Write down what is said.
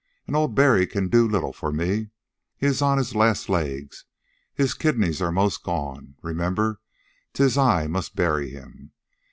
And old Barry can do little for me. He is on his last legs. His kidneys are 'most gone. Remember, 'tis I must bury him.